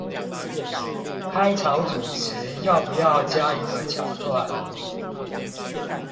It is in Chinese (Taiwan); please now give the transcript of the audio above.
開場主持要不要加一個橋段